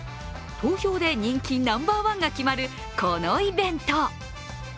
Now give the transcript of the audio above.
投票で人気ナンバーワンが決まるこのイベント。